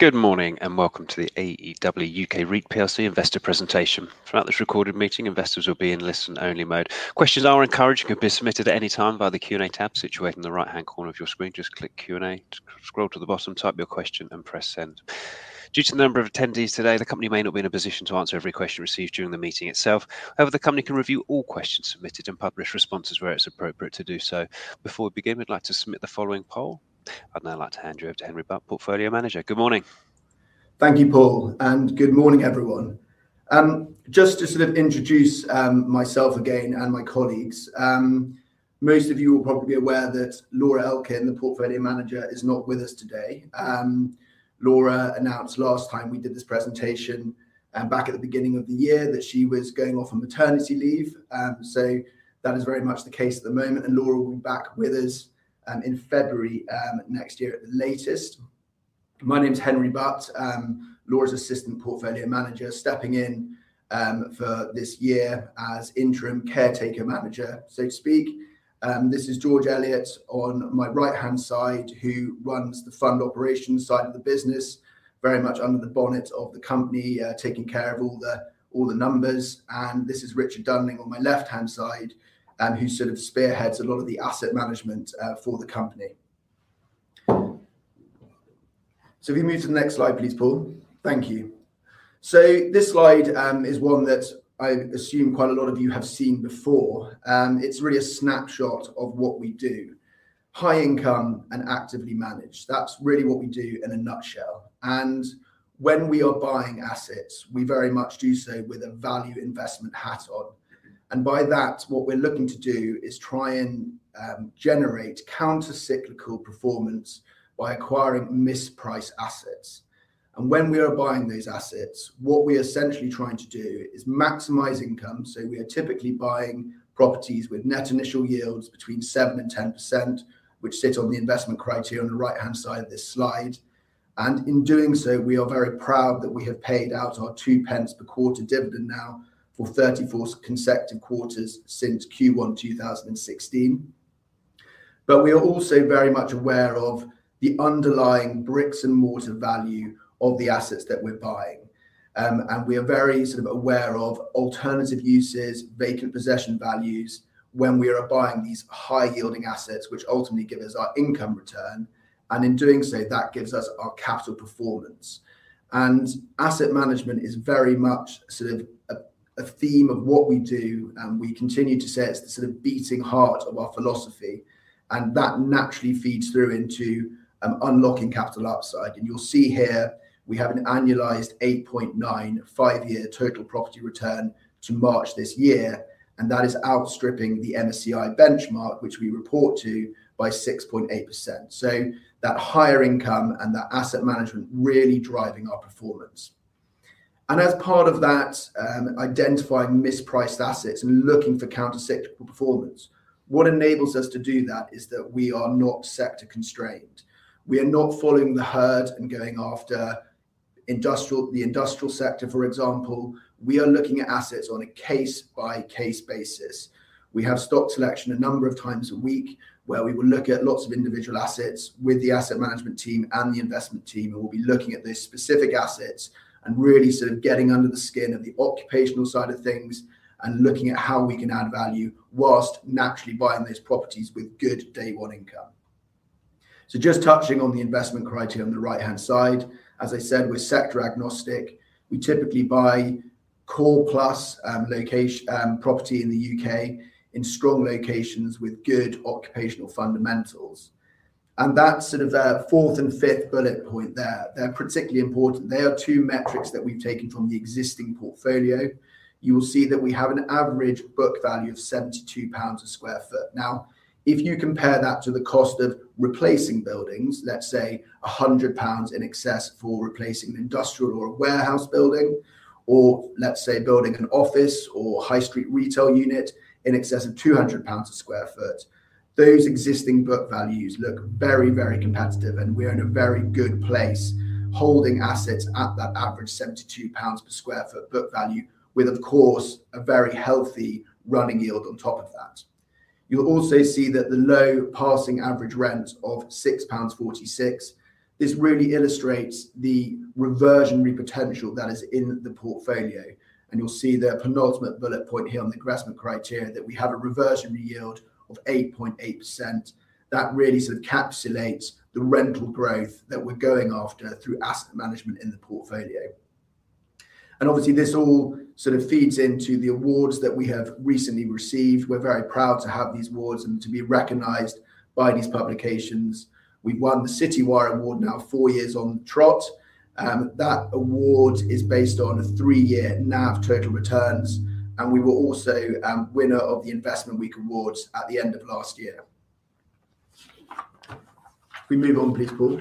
Good morning, and welcome to the AEW UK REIT plc Investor Presentation. Throughout this recorded meeting, investors will be in listen-only mode. Questions are encouraged and can be submitted at any time via the Q&A tab situated in the right-hand corner of your screen. Just click Q&A, scroll to the bottom, type your question, and press send. Due to the number of attendees today, the company may not be in a position to answer every question received during the meeting itself. However, the company can review all questions submitted and publish responses where it's appropriate to do so. Before we begin, we'd like to submit the following poll. I'd now like to hand you over to Henry Butt, Portfolio Manager. Good morning. Thank you, Paul, and good morning, everyone. Just to sort of introduce myself again and my colleagues, most of you will probably be aware that Laura Elkin, the portfolio manager, is not with us today. Laura announced last time we did this presentation, back at the beginning of the year, that she was going off on maternity leave. So that is very much the case at the moment, and Laura will be back with us, in February, next year at the latest. My name is Henry Butt, Laura's Assistant Portfolio Manager, stepping in, for this year as interim caretaker manager, so to speak. This is George Elliott on my right-hand side, who runs the fund operations side of the business, very much under the bonnet of the company, taking care of all the numbers. This is Richard Dunling on my left-hand side, who sort of spearheads a lot of the asset management for the company. So if you move to the next slide, please, Paul. Thank you. So this slide is one that I assume quite a lot of you have seen before. It's really a snapshot of what we do. High income and actively managed. That's really what we do in a nutshell, and when we are buying assets, we very much do so with a value investment hat on. And by that, what we're looking to do is try and generate countercyclical performance by acquiring mispriced assets. And when we are buying these assets, what we are essentially trying to do is maximize income. So we are typically buying properties with net initial yields between 7%-10%, which sit on the investment criteria on the right-hand side of this slide. In doing so, we are very proud that we have paid out our 0.02 per quarter dividend now for 34 consecutive quarters since Q1 2016. But we are also very much aware of the underlying bricks and mortar value of the assets that we're buying. And we are very sort of aware of alternative uses, vacant possession values, when we are buying these high-yielding assets, which ultimately give us our income return, and in doing so, that gives us our capital performance. Asset management is very much sort of a theme of what we do, and we continue to say it's the sort of beating heart of our philosophy, and that naturally feeds through into unlocking capital upside. You'll see here we have an annualized 8.95-year total property return to March this year, and that is outstripping the MSCI benchmark, which we report to, by 6.8%. So that higher income and that asset management really driving our performance. As part of that, identifying mispriced assets and looking for countercyclical performance, what enables us to do that is that we are not sector constrained. We are not following the herd and going after industrial, the industrial sector, for example. We are looking at assets on a case-by-case basis. We have stock selection a number of times a week, where we will look at lots of individual assets with the asset management team and the investment team, and we'll be looking at the specific assets and really sort of getting under the skin of the occupational side of things and looking at how we can add value while naturally buying those properties with good day one income. So just touching on the investment criteria on the right-hand side, as I said, we're sector agnostic. We typically buy core plus location property in the U.K., in strong locations with good occupational fundamentals. And that sort of fourth and fifth bullet point there, they're particularly important. They are two metrics that we've taken from the existing portfolio. You will see that we have an average book value of 72 pounds per sq ft. Now, if you compare that to the cost of replacing buildings, let's say 100 pounds in excess for replacing an industrial or a warehouse building, or let's say building an office or high street retail unit in excess of 200 pounds a sq ft. Those existing book values look very, very competitive, and we are in a very good place, holding assets at that average 72 pounds per sq ft book value, with, of course, a very healthy running yield on top of that. You'll also see that the low passing average rent of 6.46 pounds, this really illustrates the reversionary potential that is in the portfolio, and you'll see the penultimate bullet point here on the investment criteria, that we have a reversionary yield of 8.8%. That really sort of encapsulates the rental growth that we're going after through asset management in the portfolio. Obviously, this all sort of feeds into the awards that we have recently received. We're very proud to have these awards and to be recognized by these publications. We've won the Citywire award now four years on the trot, that award is based on a three-year NAV total returns, and we were also winner of the Investment Week awards at the end of last year. Can we move on, please, Paul?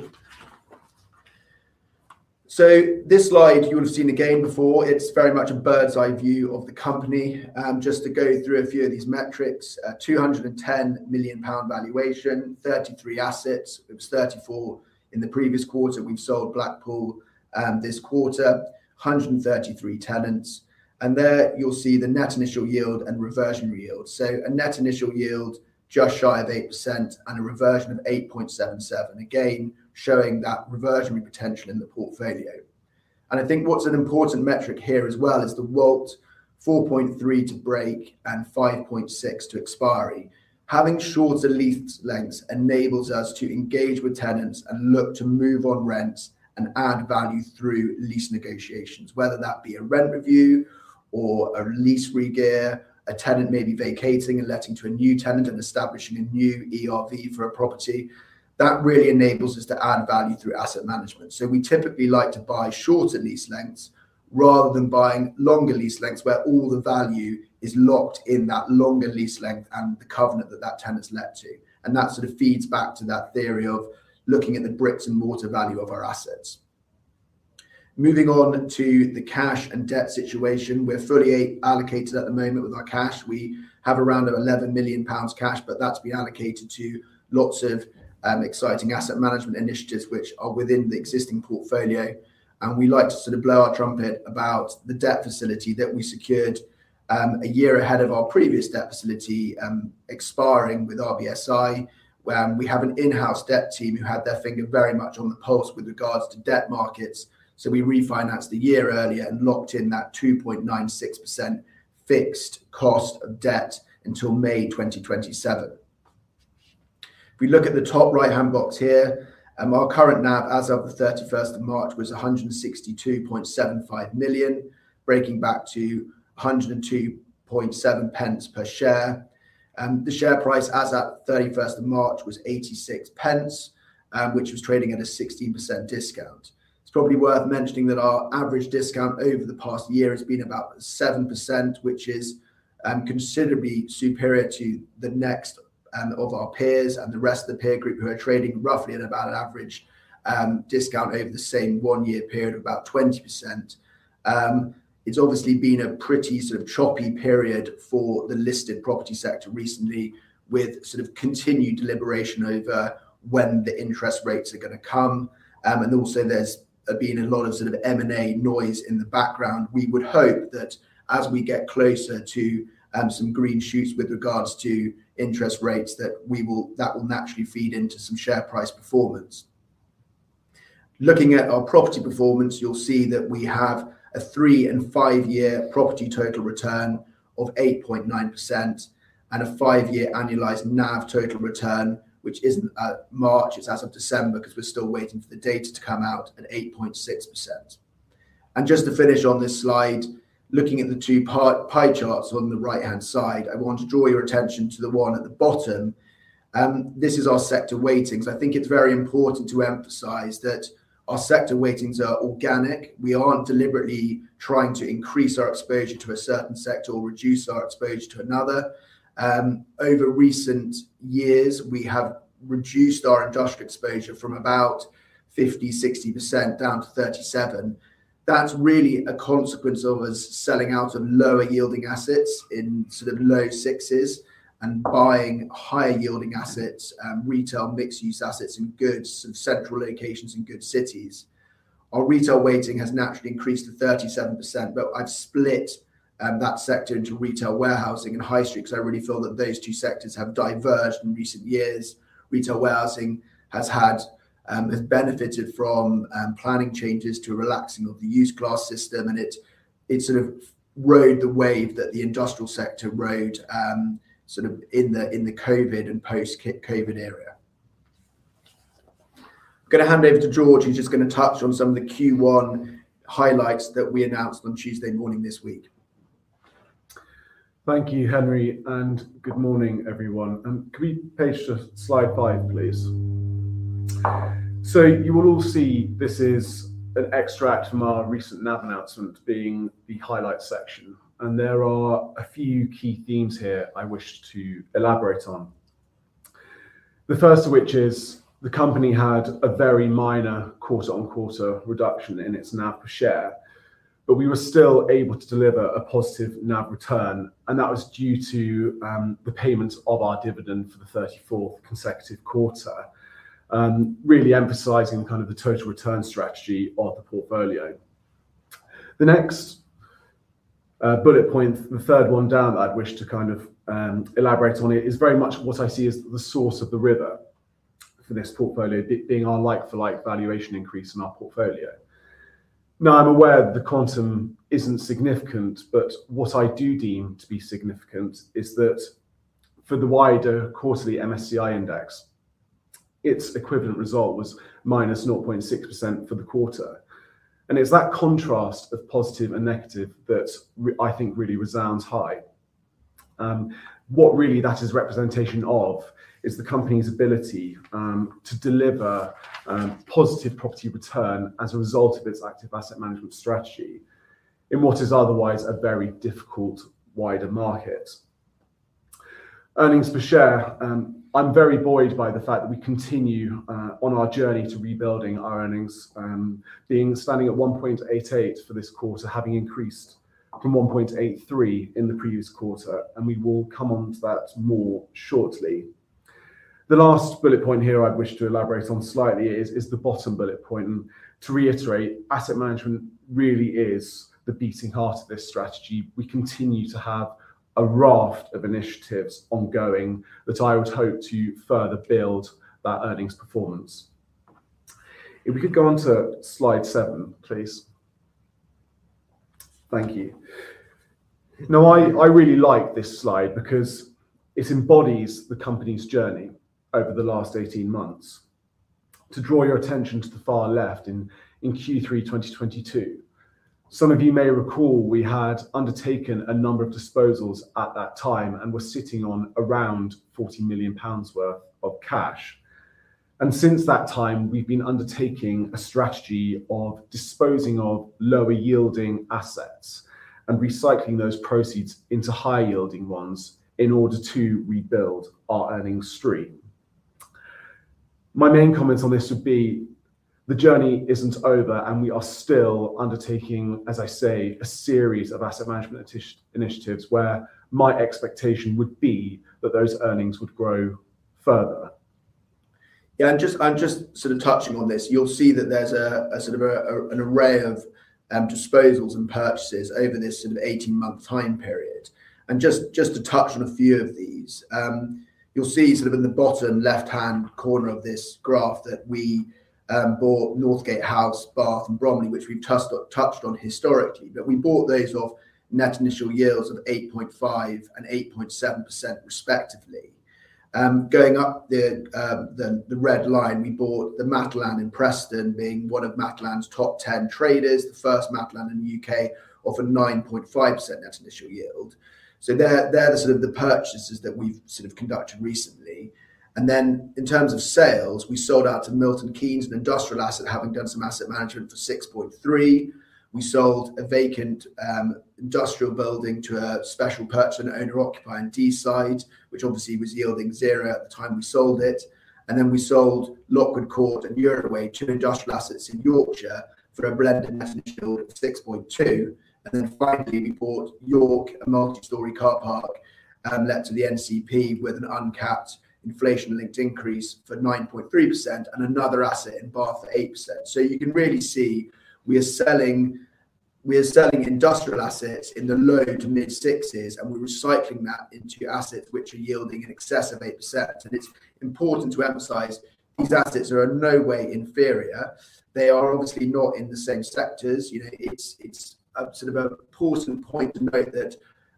This slide, you would have seen again before. It's very much a bird's-eye view of the company. Just to go through a few of these metrics, 210 million pound valuation, 33 assets. It was 34 in the previous quarter. We've sold Blackpool, this quarter. 133 tenants, and there you'll see the net initial yield and reversion yield. So a net initial yield, just shy of 8% and a reversion of 8.77, again, showing that reversionary potential in the portfolio. I think what's an important metric here as well is the WALT 4.3 to break and 5.6 to expiry. Having shorter lease lengths enables us to engage with tenants and look to move on rents and add value through lease negotiations, whether that be a rent review or a lease regear, a tenant may be vacating and letting to a new tenant and establishing a new ERV for a property. That really enables us to add value through asset management. So we typically like to buy shorter lease lengths rather than buying longer lease lengths, where all the value is locked in that longer lease length and the covenant that that tenant's let to. And that sort of feeds back to that theory of looking at the bricks and mortar value of our assets. Moving on to the cash and debt situation, we're fully allocated at the moment with our cash. We have around 11 million pounds cash, but that's been allocated to lots of, exciting asset management initiatives which are within the existing portfolio. And we like to sort of blow our trumpet about the debt facility that we secured, a year ahead of our previous debt facility, expiring with RBSI, where we have an in-house debt team who had their finger very much on the pulse with regards to debt markets. So we refinanced a year earlier and locked in that 2.96% fixed cost of debt until May 2027. If we look at the top right-hand box here, our current NAV as of the 31st of March was 162.75 million, breaking back to 1.027 per share. The share price as at 31st of March was 0.86, which was trading at a 16% discount. It's probably worth mentioning that our average discount over the past year has been about 7%, which is considerably superior to the next of our peers and the rest of the peer group, who are trading roughly at about an average discount over the same one-year period of about 20%. It's obviously been a pretty sort of choppy period for the listed property sector recently, with sort of continued deliberation over when the interest rates are gonna come. And also there's been a lot of sort of M&A noise in the background. We would hope that as we get closer to some green shoots with regards to interest rates, that will naturally feed into some share price performance. Looking at our property performance, you'll see that we have a three- and five-year property total return of 8.9% and a five-year annualized NAV total return, which isn't at March, it's as of December, because we're still waiting for the data to come out, at 8.6%. Just to finish on this slide, looking at the two-part pie charts on the right-hand side, I want to draw your attention to the one at the bottom. This is our sector weightings. I think it's very important to emphasize that our sector weightings are organic. We aren't deliberately trying to increase our exposure to a certain sector or reduce our exposure to another. Over recent years, we have reduced our industrial exposure from about 50%-60% down to 37%. That's really a consequence of us selling out of lower-yielding assets in sort of low 6%s and buying higher-yielding assets, retail, mixed-use assets in good, sort of, central locations and good cities. Our retail weighting has naturally increased to 37%, but I've split that sector into retail warehousing and high street, because I really feel that those two sectors have diverged in recent years. Retail warehousing has benefited from planning changes to a relaxing of the use class system, and it sort of rode the wave that the industrial sector rode, sort of in the COVID and post-COVID era. I'm gonna hand over to George, who's just gonna touch on some of the Q1 highlights that we announced on Tuesday morning this week. Thank you, Henry, and good morning, everyone. Can we page to Slide 5, please? So you will all see this is an extract from our recent NAV announcement, being the highlight section, and there are a few key themes here I wish to elaborate on. The first of which is the company had a very minor quarter-on-quarter reduction in its NAV per share, but we were still able to deliver a positive NAV return, and that was due to the payments of our dividend for the 34th consecutive quarter. Really emphasizing kind of the total return strategy of the portfolio. The next bullet point, the third one down, I'd wish to kind of elaborate on it, is very much what I see as the source of the river for this portfolio, being our like-for-like valuation increase in our portfolio. Now, I'm aware the quantum isn't significant, but what I do deem to be significant is that for the wider quarterly MSCI index, its equivalent result was -0.6% for the quarter. And it's that contrast of positive and negative that I think really resounds high. What really that is representation of is the company's ability to deliver positive property return as a result of its active asset management strategy in what is otherwise a very difficult wider market. Earnings per share, I'm very buoyed by the fact that we continue on our journey to rebuilding our earnings, standing at 1.88 for this quarter, having increased from 1.83 in the previous quarter, and we will come onto that more shortly. The last bullet point here I'd wish to elaborate on slightly is the bottom bullet point, and to reiterate, asset management really is the beating heart of this strategy. We continue to have a raft of initiatives ongoing that I would hope to further build that earnings performance. If we could go on to Slide 7, please. Thank you. Now, I, I really like this slide because it embodies the company's journey over the last 18 months. To draw your attention to the far left in Q3, 2022, some of you may recall we had undertaken a number of disposals at that time and were sitting on around 40 million pounds worth of cash. And since that time, we've been undertaking a strategy of disposing of lower yielding assets and recycling those proceeds into higher yielding ones in order to rebuild our earnings stream. My main comments on this would be, the journey isn't over, and we are still undertaking, as I say, a series of asset management initiatives, where my expectation would be that those earnings would grow further. Yeah, and just sort of touching on this, you'll see that there's a sort of an array of disposals and purchases over this sort of 18-month time period. And just to touch on a few of these, you'll see sort of in the bottom left-hand corner of this graph that we bought Northgate House, Bath and Bromley, which we've touched on historically. But we bought those off net initial yields of 8.5% and 8.7% respectively. Going up the red line, we bought the Matalan in Preston, being one of Matalan's top 10 traders, the first Matalan in the U.K., off a 9.5% net initial yield. So they're the sort of the purchases that we've sort of conducted recently. In terms of sales, we sold in Milton Keynes an industrial asset, having done some asset management for 6.3 million. We sold a vacant industrial building to a special purchaser and owner-occupier in Deeside, which obviously was yielding zero at the time we sold it. We sold Lockwood Court and Euroway, two industrial assets in Yorkshire, for a blended net initial of 6.2%. Finally, we bought in York a multi-story car park let to the NCP with an uncapped inflation-linked increase for 9.3% and another asset in Bath for 8%. So you can really see we are selling, we are selling industrial assets in the low to mid-6s, and we're recycling that into assets which are yielding in excess of 8%. It's important to emphasize these assets are in no way inferior. They are obviously not in the same sectors. You know, it's sort of an important point to note that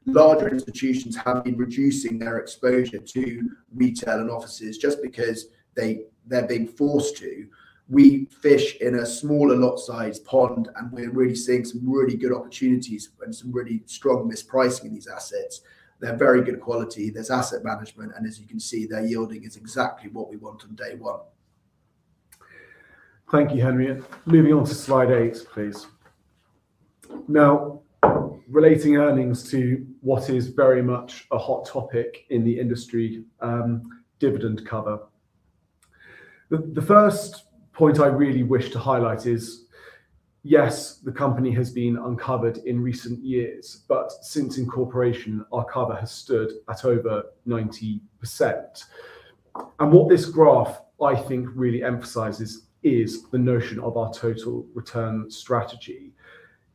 larger institutions have been reducing their exposure to retail and offices just because they're being forced to. We fish in a smaller lot size pond, and we're really seeing some really good opportunities and some really strong mispricing in these assets. They're very good quality. There's asset management, and as you can see, their yielding is exactly what we want on day one. Thank you, Henry, and moving on to Slide 8, please. Now, relating earnings to what is very much a hot topic in the industry, dividend cover. The first point I really wish to highlight is, yes, the company has been uncovered in recent years, but since incorporation, our cover has stood at over 90%. And what this graph, I think, really emphasizes is the notion of our total return strategy.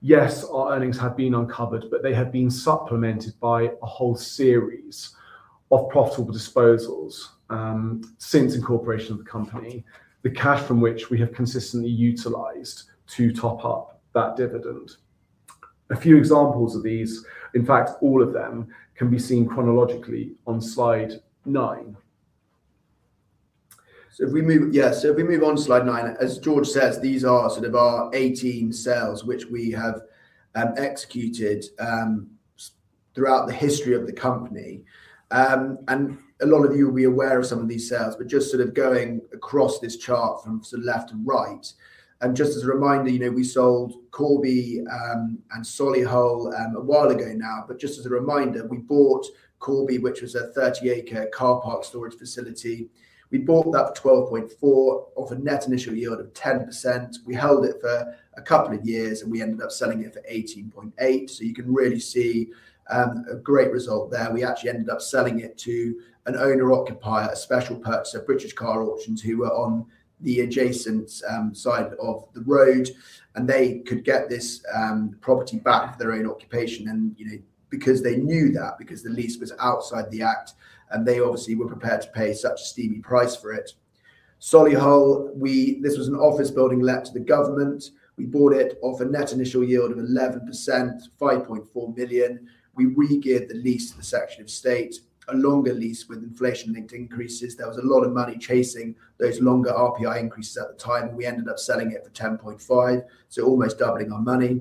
Yes, our earnings have been uncovered, but they have been supplemented by a whole series of profitable disposals since incorporation of the company, the cash from which we have consistently utilized to top up that dividend. A few examples of these, in fact, all of them, can be seen chronologically on Slide 9. So if we move, yeah, so if we move on to Slide 9, as George says, these are sort of our 18 sales, which we have executed throughout the history of the company. And a lot of you will be aware of some of these sales, but just sort of going across this chart from sort of left to right. And just as a reminder, you know, we sold Corby and Solihull a while ago now, but just as a reminder, we bought Corby, which was a 30-acre car park storage facility. We bought that for 12.4 million off a net initial yield of 10%. We held it for a couple of years, and we ended up selling it for 18.8 million. So you can really see a great result there. We actually ended up selling it to an owner-occupier, a special purchaser, British Car Auctions, who were on the adjacent side of the road, and they could get this property back for their own occupation. You know, because they knew that, because the lease was outside the act, and they obviously were prepared to pay such a steamy price for it. Solihull, this was an office building let to the government. We bought it off a net initial yield of 11%, 5.4 million. We re-geared the lease to the Secretary of State, a longer lease with inflation-linked increases. There was a lot of money chasing those longer RPI increases at the time. We ended up selling it for 10.5 million, so almost doubling our money.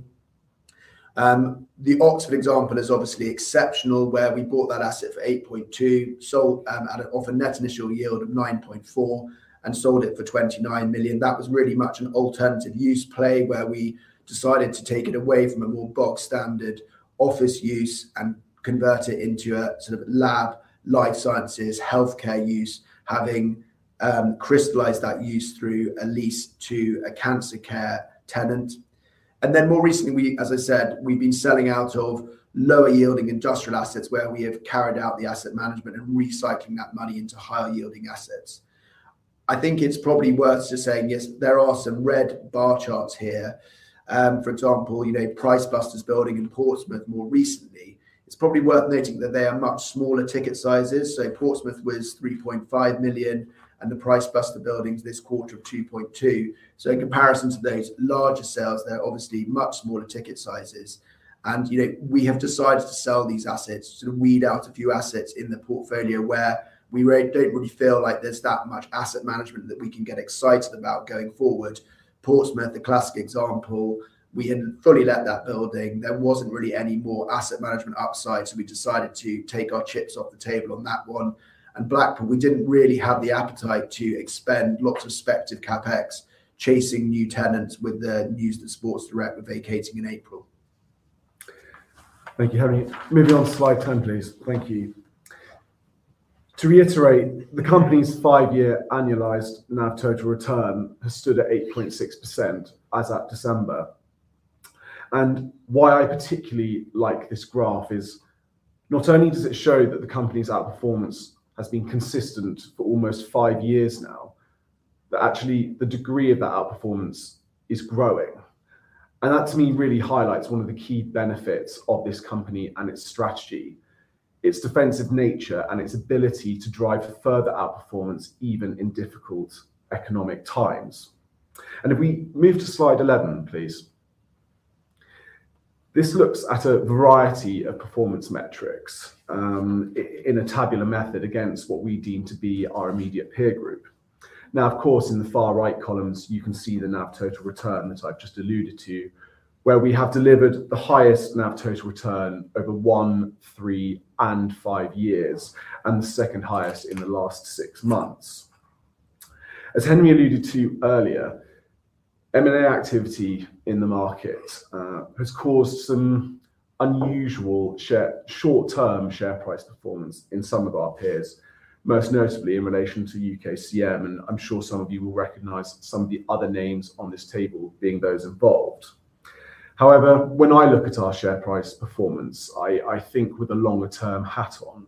The Oxford example is obviously exceptional, where we bought that asset for 8.2 million, sold at a net initial yield of 9.4%, and sold it for 29 million. That was really much an alternative use play, where we decided to take it away from a more box-standard office use and convert it into a sort of lab, life sciences, healthcare use, having crystallized that use through a lease to a cancer care tenant. And then more recently, we, as I said, we've been selling out of lower-yielding industrial assets, where we have carried out the asset management and recycling that money into higher-yielding assets. I think it's probably worth just saying, yes, there are some red bar charts here. For example, you know, Pricebusters building and Portsmouth more recently. It's probably worth noting that they are much smaller ticket sizes. So Portsmouth was 3.5 million, and the Pricebusters building this quarter of 2.2 million. So in comparison to those larger sales, they're obviously much smaller ticket sizes. And, you know, we have decided to sell these assets to weed out a few assets in the portfolio where we really don't really feel like there's that much asset management that we can get excited about going forward. Portsmouth, the classic example, we had fully let that building. There wasn't really any more asset management upside, so we decided to take our chips off the table on that one. And Blackpool, we didn't really have the appetite to expend lots of speculative CapEx, chasing new tenants with the news that Sports Direct were vacating in April. Thank you, Henry. Moving on to Slide 10, please. Thank you. To reiterate, the company's five-year annualized NAV total return has stood at 8.6% as at December. Why I particularly like this graph is not only does it show that the company's outperformance has been consistent for almost five years now, but actually the degree of that outperformance is growing. That, to me, really highlights one of the key benefits of this company and its strategy, its defensive nature, and its ability to drive further outperformance even in difficult economic times. If we move to Slide 11, please. This looks at a variety of performance metrics in a tabular method against what we deem to be our immediate peer group. Now, of course, in the far right columns, you can see the NAV total return, which I've just alluded to, where we have delivered the highest NAV total return over one, three, and five years, and the second highest in the last six months. As Henry alluded to earlier, M&A activity in the market has caused some unusual short-term share price performance in some of our peers, most notably in relation to UKCM, and I'm sure some of you will recognize some of the other names on this table being those involved. However, when I look at our share price performance, I think with a longer-term hat on,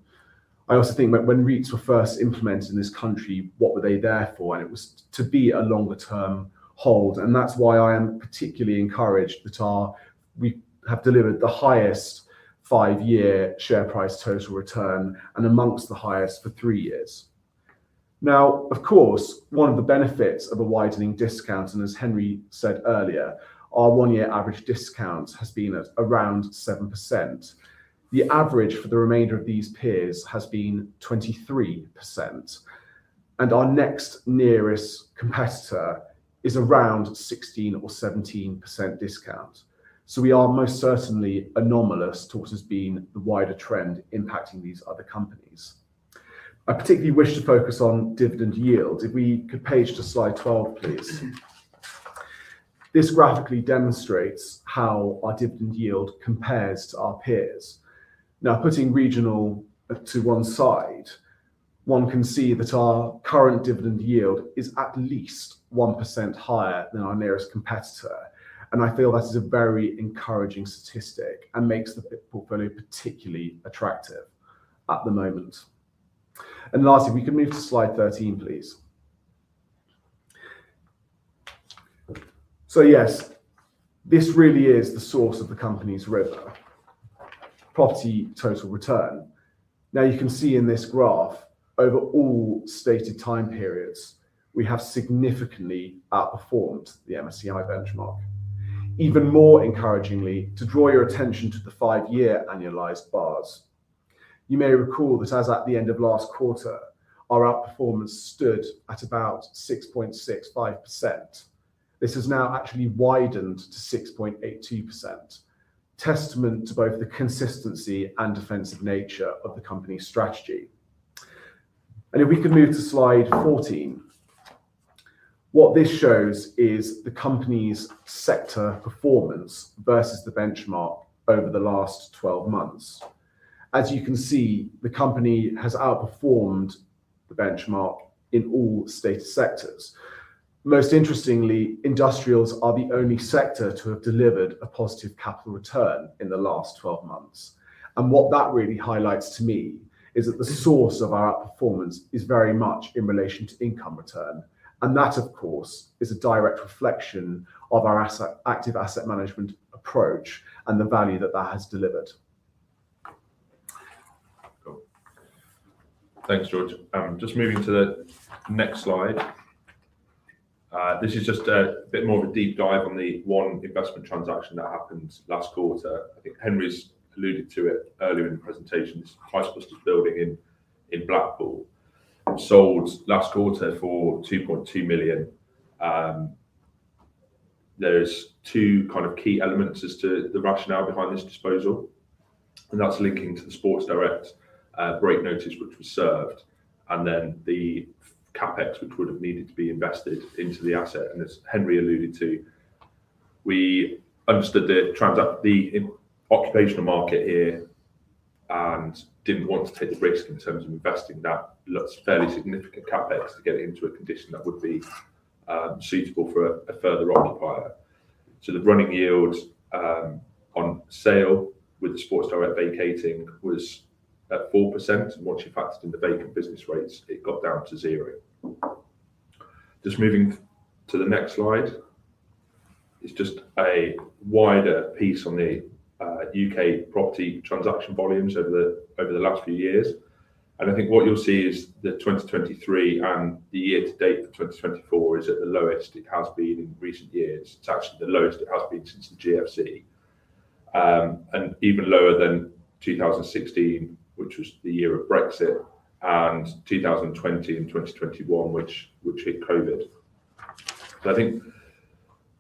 I also think when REITs were first implemented in this country, what were they there for? It was to be a longer-term hold, and that's why I am particularly encouraged that we have delivered the highest five-year share price total return and among the highest for three years. Now, of course, one of the benefits of a widening discount, and as Henry said earlier, our one-year average discount has been at around 7%. The average for the remainder of these peers has been 23%, and our next nearest competitor is around 16% or 17% discount. So we are most certainly anomalous to what has been the wider trend impacting these other companies. I particularly wish to focus on dividend yield. If we could page to Slide 12, please. This graphically demonstrates how our dividend yield compares to our peers. Now, putting regional to one side, one can see that our current dividend yield is at least 1% higher than our nearest competitor, and I feel that is a very encouraging statistic and makes the portfolio particularly attractive at the moment. Lastly, if we could move to Slide 13, please. So yes, this really is the source of the company's REIT property total return. Now, you can see in this graph, over all stated time periods, we have significantly outperformed the MSCI benchmark. Even more encouragingly, to draw your attention to the five-year annualized bars, you may recall that as at the end of last quarter, our outperformance stood at about 6.65%. This has now actually widened to 6.82%. Testament to both the consistency and defensive nature of the company's strategy. And if we could move to Slide 14. What this shows is the company's sector performance versus the benchmark over the last 12 months. As you can see, the company has outperformed the benchmark in all stated sectors. Most interestingly, industrials are the only sector to have delivered a positive capital return in the last 12 months. What that really highlights to me is that the source of our outperformance is very much in relation to income return, and that, of course, is a direct reflection of our asset, active asset management approach and the value that that has delivered. Cool. Thanks, George. Just moving to the next slide. This is just a bit more of a deep dive on the one investment transaction that happened last quarter. I think Henry's alluded to it earlier in the presentation. This is Pricebusters building in Blackpool, sold last quarter for 2.2 million. There's two kind of key elements as to the rationale behind this disposal, and that's linking to the Sports Direct break notice, which was served, and then the CapEx, which would have needed to be invested into the asset. And as Henry alluded to, we understood the occupational market here and didn't want to take the risk in terms of investing that fairly significant CapEx to get it into a condition that would be suitable for a further occupier. So the running yield on sale with the Sports Direct vacating was at 4%, and once you factored in the vacant business rates, it got down to zero. Just moving to the next slide. It's just a wider piece on the U.K. property transaction volumes over the last few years, and I think what you'll see is that 2023 and the year to date for 2024 is at the lowest it has been in recent years. It's actually the lowest it has been since the GFC. And even lower than 2016, which was the year of Brexit, and 2020, and 2021, which hit COVID. I think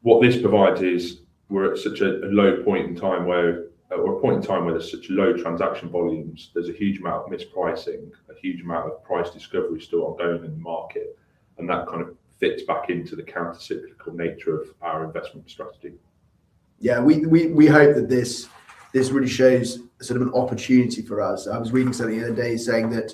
what this provides is we're at such a low point in time where, or a point in time where there's such low transaction volumes, there's a huge amount of mispricing, a huge amount of price discovery still ongoing in the market, and that kind of fits back into the countercyclical nature of our investment strategy. Yeah, we hope that this really shows sort of an opportunity for us. I was reading something the other day saying that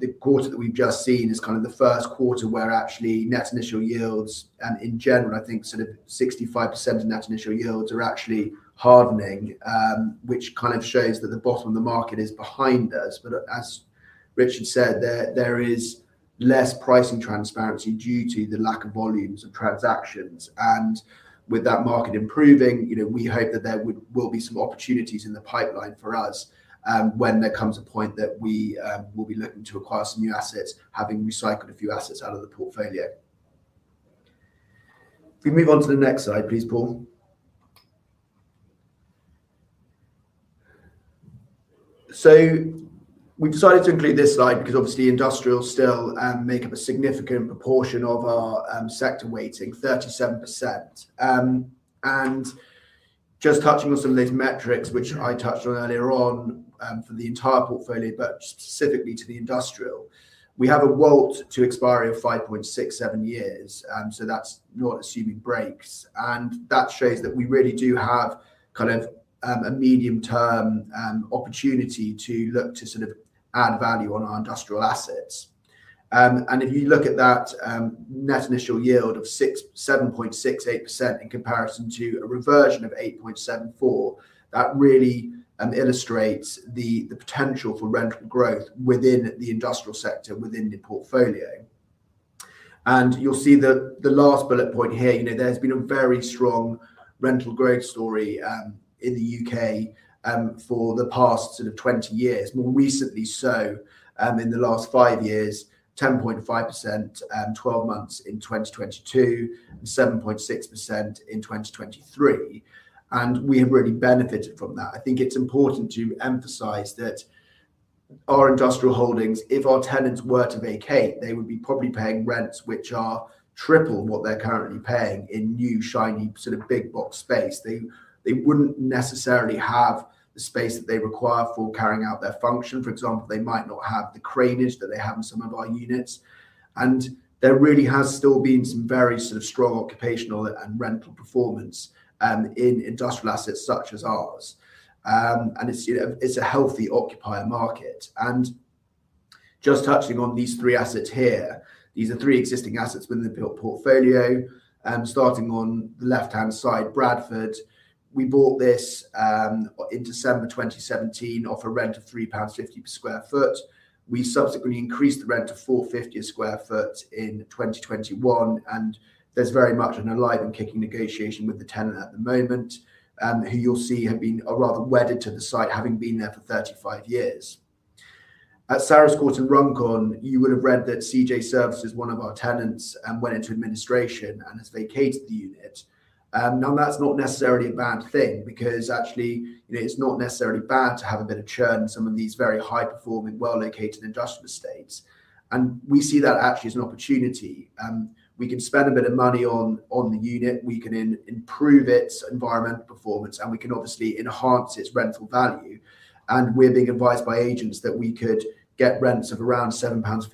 the quarter that we've just seen is kind of the first quarter, where actually net initial yields, and in general, I think sort of 65% of net initial yields are actually hardening. Which kind of shows that the bottom of the market is behind us. But as Richard said, there is less pricing transparency due to the lack of volumes of transactions, and with that market improving, you know, we hope that there will be some opportunities in the pipeline for us, when there comes a point that we will be looking to acquire some new assets, having recycled a few assets out of the portfolio. Can we move on to the next slide, please, Paul? We decided to include this slide because obviously, industrial still make up a significant proportion of our sector weighting, 37%. And just touching on some of these metrics, which I touched on earlier on, for the entire portfolio, but specifically to the industrial. We have a WALT to expiry of 5.67 years, so that's not assuming breaks. And that shows that we really do have kind of a medium-term opportunity to look to sort of add value on our industrial assets. And if you look at that, net initial yield of 6.768% in comparison to a reversion of 8.74%, that really illustrates the potential for rental growth within the industrial sector, within the portfolio. And you'll see the last bullet point here, you know, there's been a very strong rental growth story in the U.K. for the past sort of 20 years, more recently so, in the last five years, 10.5%, 12 months in 2022, and 7.6% in 2023, and we have really benefited from that. I think it's important to emphasize that our industrial holdings, if our tenants were to vacate, they would be probably paying rents, which are triple what they're currently paying in new, shiny, sort of big box space. They wouldn't necessarily have the space that they require for carrying out their function. For example, they might not have the cranage that they have in some of our units, and there really has still been some very sort of strong occupational and rental performance in industrial assets such as ours. It's, you know, it's a healthy occupier market, and just touching on these three assets here, these are three existing assets within the built portfolio. Starting on the left-hand side, Bradford, we bought this in December 2017 at a rent of 3.50 pounds per sq ft. We subsequently increased the rent to 4.50 per sq ft in 2021, and there's very much an alive and kicking negotiation with the tenant at the moment, who you'll see have been, are rather wedded to the site, having been there for 35 years. At Sarus Court in Runcorn, you will have read that CJ Services, one of our tenants, went into administration and has vacated the unit. Now, that's not necessarily a bad thing, because actually, you know, it's not necessarily bad to have a bit of churn in some of these very high-performing, well-located industrial estates, and we see that actually as an opportunity. We can spend a bit of money on the unit, we can improve its environmental performance, and we can obviously enhance its rental value. And we're being advised by agents that we could get rents of around 7.50 pounds,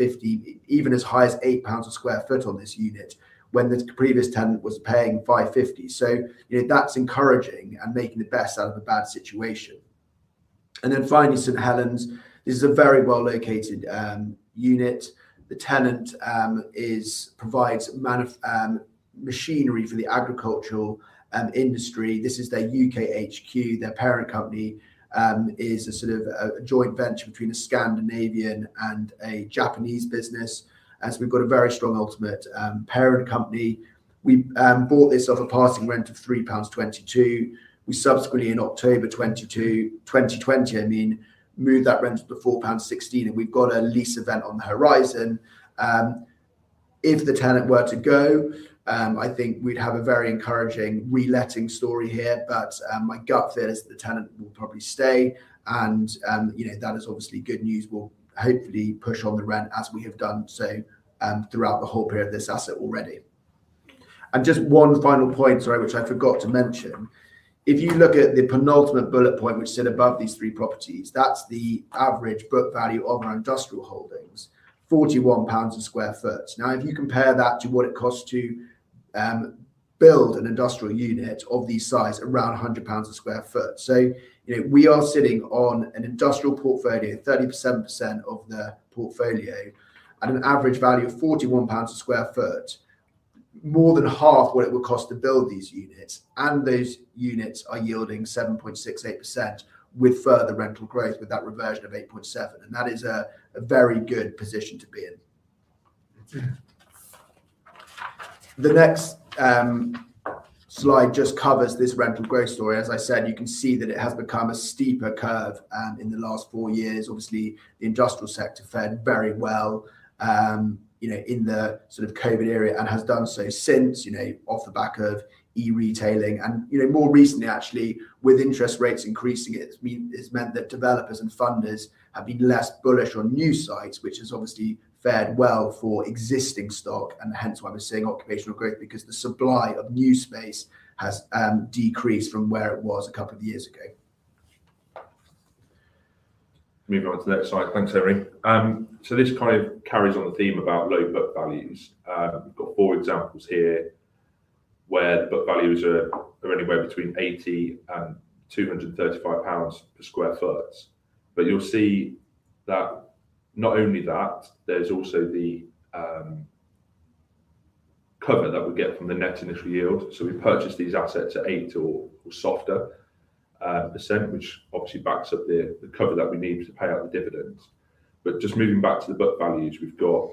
even as high as 8 pounds per sq ft on this unit, when the previous tenant was paying 5.50. So, you know, that's encouraging and making the best out of a bad situation. Then finally, St Helens, this is a very well-located unit. The tenant provides machinery for the agricultural industry. This is their U.K. HQ. Their parent company is a sort of a joint venture between a Scandinavian and a Japanese business. As we've got a very strong ultimate parent company, we bought this off a passing rent of 3.22 pounds. We subsequently, in October 2022, I mean, moved that rent to 4.16 pounds, and we've got a lease event on the horizon. If the tenant were to go, I think we'd have a very encouraging reletting story here, but my gut feel is that the tenant will probably stay, and you know, that is obviously good news. We'll hopefully push on the rent as we have done so throughout the whole period of this asset already. Just one final point, sorry, which I forgot to mention. If you look at the penultimate bullet point, which sit above these three properties, that's the average book value of our industrial holdings, 41 pounds per sq ft. Now, if you compare that to what it costs to build an industrial unit of this size, around 100 pounds per sq ft. So, you know, we are sitting on an industrial portfolio, 37% of the portfolio, at an average value of 41 pounds per sq ft. More than half what it would cost to build these units, and those units are yielding 7.68%, with further rental growth, with that reversion of 8.7, and that is a very good position to be in. The next slide just covers this rental growth story. As I said, you can see that it has become a steeper curve in the last four years. Obviously, the industrial sector fared very well, you know, in the sort of COVID era, and has done so since, you know, off the back of e-retailing. You know, more recently, actually, with interest rates increasing, it's meant that developers and funders have been less bullish on new sites, which has obviously fared well for existing stock, and hence why we're seeing occupational growth because the supply of new space has decreased from where it was a couple of years ago. Moving on to the next slide. Thanks, Henry. So this kind of carries on the theme about low book values. We've got four examples here where the book values are anywhere between 80- 235 pounds per sq ft. But you'll see that not only that, there's also the cover that we get from the net initial yield. So we purchased these assets at 8% or softer, which obviously backs up the cover that we need to pay out the dividends. But just moving back to the book values, we've got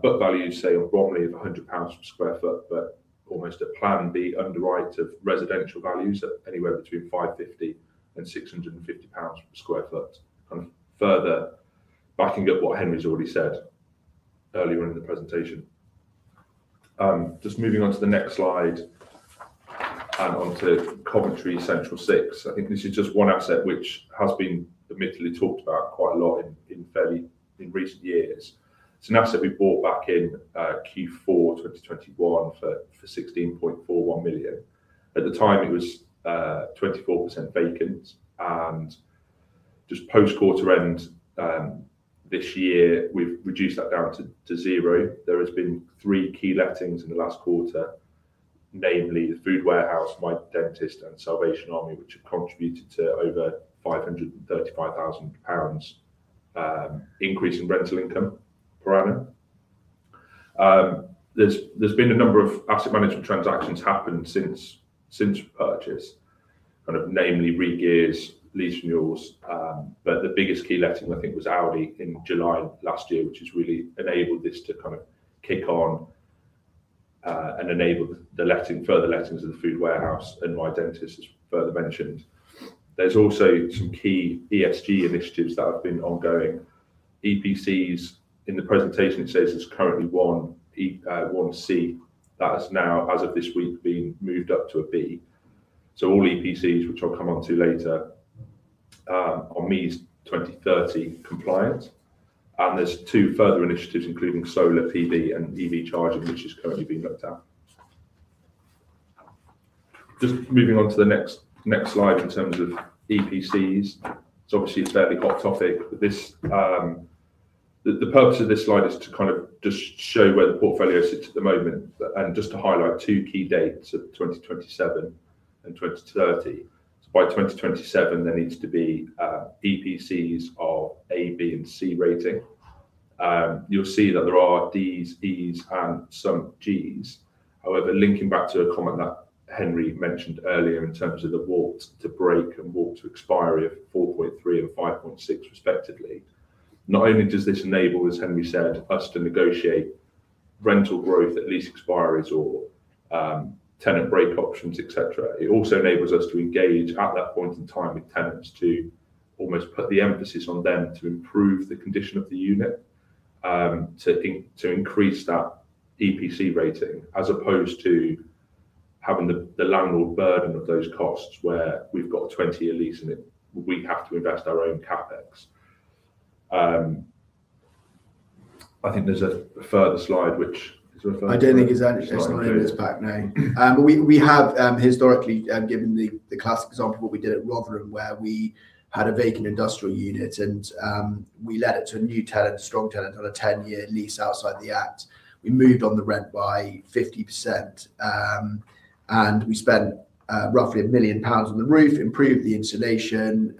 book values, say, on Bromley of 100 pounds per sq ft, but almost at Plan B underwrite of residential values at anywhere between 550-650 pounds per sq ft. Kind of further backing up what Henry's already said earlier in the presentation. Just moving on to the next slide and on to Coventry Central Six. I think this is just one asset which has been admittedly talked about quite a lot in fairly recent years. It's an asset we bought back in Q4 2021 for 16.41 million. At the time, it was 24% vacant and just post-quarter end this year, we've reduced that down to zero. There has been three key lettings in the last quarter, namely The Food Warehouse, mydentist, and The Salvation Army, which have contributed to over 535,000 pounds increase in rental income per annum. There's been a number of asset management transactions happened since purchase, kind of namely regears, lease renewals, but the biggest key letting, I think, was Aldi in July of last year, which has really enabled this to kind of kick on, and enable the letting, further lettings of The Food Warehouse and mydentist, as further mentioned. There's also some key ESG initiatives that have been ongoing. EPCs in the presentation, it says it's currently one E, one C. That is now, as of this week, being moved up to a B. So all EPCs, which I'll come on to later, are MEES 2030 compliant, and there's two further initiatives, including solar PV, and EV charging, which is currently being looked at. Just moving on to the next slide in terms of EPCs. It's obviously a fairly hot topic, but this, the purpose of this slide is to kind of just show where the portfolio sits at the moment, and just to highlight two key dates of 2027 and 2030. So by 2027, there needs to be, EPCs of A, B, and C rating. You'll see that there are Ds, Es, and some Gs. However, linking back to a comment that Henry mentioned earlier in terms of the WALT to break and WALT to expiry of 4.3 and 5.6, respectively, not only does this enable, as Henry said, us to negotiate rental growth at lease expiries or, tenant break options, et cetera, it also enables us to engage at that point in time with tenants to almost put the emphasis on them to improve the condition of the unit, to increase that EPC rating, as opposed to having the landlord burden of those costs, where we've got a 20-year lease in it, we have to invest our own CapEx. I think there's a further slide, which is. I don't think there's actually a slide in this pack, no. But we have historically given the classic example of what we did at Rotherham, where we had a vacant industrial unit and we let it to a new tenant, a strong tenant, on a 10-year lease outside the act. We moved on the rent by 50%, and we spent roughly 1 million pounds on the roof, improved the insulation.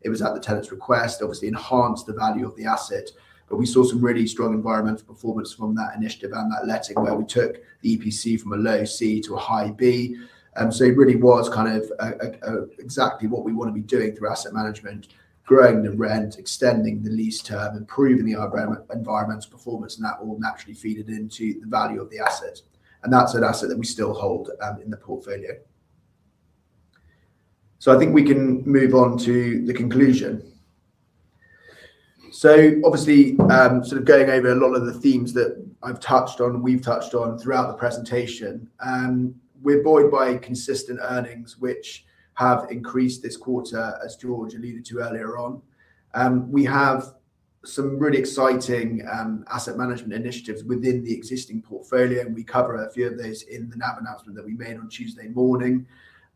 It was at the tenant's request, obviously enhanced the value of the asset, but we saw some really strong environmental performance from that initiative and that letting, where we took the EPC from a low C to a high B. So it really was kind of exactly what we want to be doing through asset management, growing the rent, extending the lease term, improving the environment, environmental performance, and that all naturally fed into the value of the asset. And that's an asset that we still hold in the portfolio. So I think we can move on to the conclusion. So obviously, sort of going over a lot of the themes that I've touched on, we've touched on throughout the presentation, we're buoyed by consistent earnings, which have increased this quarter, as George alluded to earlier on. We have some really exciting asset management initiatives within the existing portfolio, and we cover a few of those in the NAV announcement that we made on Tuesday morning.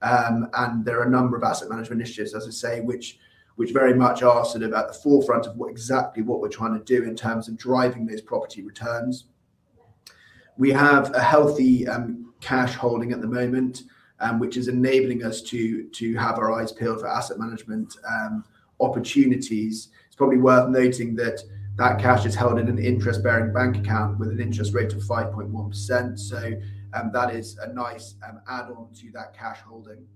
And there are a number of asset management initiatives, as I say, which, which very much are sort of at the forefront of what exactly what we're trying to do in terms of driving these property returns. We have a healthy, cash holding at the moment, which is enabling us to, to have our eyes peeled for asset management, opportunities. It's probably worth noting that that cash is held in an interest-bearing bank account with an interest rate of 5.1%, so, that is a nice, add-on to that cash holding.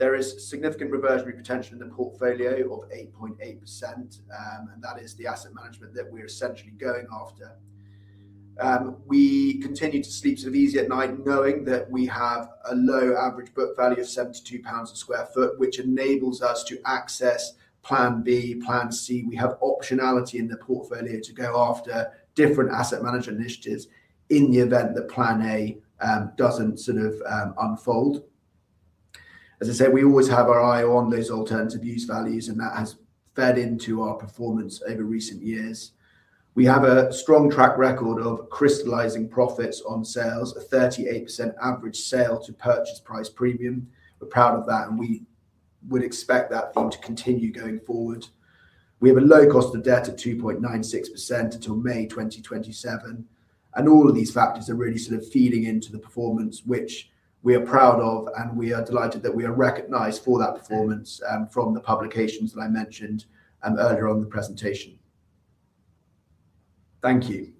There is significant reversionary potential in the portfolio of 8.8%, and that is the asset management that we're essentially going after. We continue to sleep sort of easy at night knowing that we have a low average book value of 72 pounds per sq ft, which enables us to access Plan B, Plan C. We have optionality in the portfolio to go after different asset management initiatives in the event that Plan A doesn't sort of unfold. As I said, we always have our eye on those alternative use values, and that has fed into our performance over recent years. We have a strong track record of crystallizing profits on sales, a 38% average sale to purchase price premium. We're proud of that, and we would expect that theme to continue going forward. We have a low cost of debt of 2.96% until May 2027, and all of these factors are really sort of feeding into the performance, which we are proud of, and we are delighted that we are recognized for that performance, from the publications that I mentioned, earlier on in the presentation. Thank you.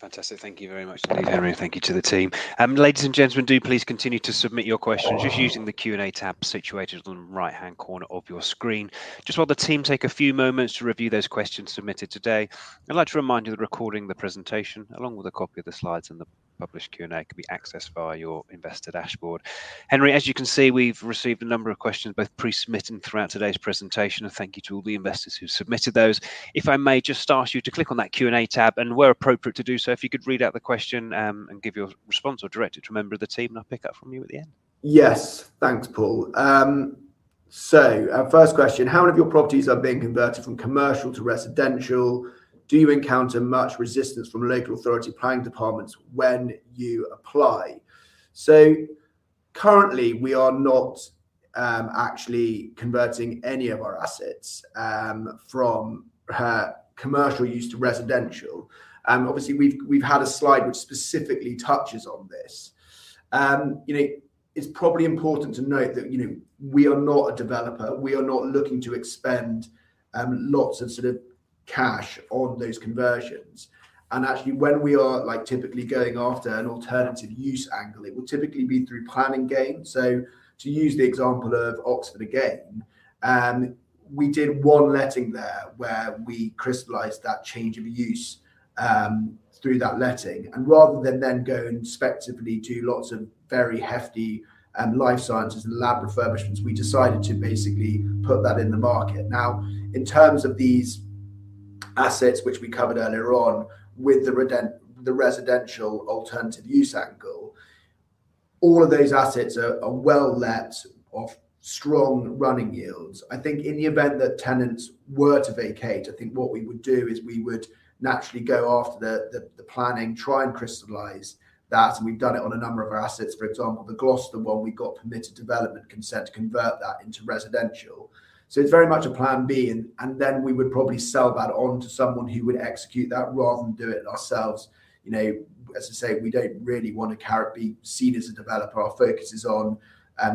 Fantastic. Thank you very much, Henry, and thank you to the team. Ladies and gentlemen, do please continue to submit your questions just using the Q&A tab situated on the right-hand corner of your screen. Just while the team take a few moments to review those questions submitted today, I'd like to remind you that a recording of the presentation, along with a copy of the slides and the published Q&A, can be accessed via your investor dashboard. Henry, as you can see, we've received a number of questions, both pre-submitted and throughout today's presentation, and thank you to all the investors who submitted those. If I may just ask you to click on that Q&A tab, and where appropriate to do so, if you could read out the question, and give your response or direct it to a member of the team, and I'll pick up from you at the end. Yes. Thanks, Paul. So our first question: How many of your properties are being converted from commercial to residential? Do you encounter much resistance from local authority planning departments when you apply? So currently, we are not actually converting any of our assets from commercial use to residential. Obviously, we've had a slide which specifically touches on this. You know, it's probably important to note that, you know, we are not a developer. We are not looking to expend lots of sort of cash on those conversions, and actually, when we are like typically going after an alternative use angle, it will typically be through planning gain. So to use the example of Oxford again, we did one letting there, where we crystallized that change of use through that letting. Rather than then go and respectively do lots of very hefty life sciences and lab refurbishments, we decided to basically put that in the market. Now, in terms of these assets, which we covered earlier on with the residential alternative use angle, all of those assets are well let of strong running yields. I think in the event that tenants were to vacate, I think what we would do is we would naturally go after the planning, try and crystallize that, and we've done it on a number of our assets. For example, the Gloucester one, we got permitted development consent to convert that into residential. So it's very much a Plan B, and then we would probably sell that on to someone who would execute that rather than do it ourselves. You know, as I say, we don't really want to kind of be seen as a developer. Our focus is on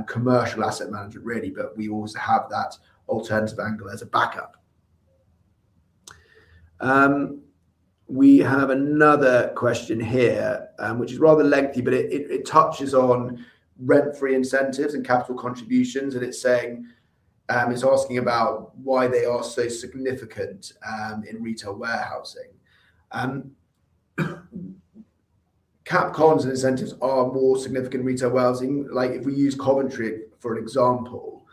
commercial asset management, really, but we always have that alternative angle as a backup. We have another question here, which is rather lengthy, but it touches on rent-free incentives and capital contributions, and it's saying, it's asking about why they are so significant in retail warehousing. CapCons and incentives are more significant in retail warehousing. Like, if we use Coventry, for an example,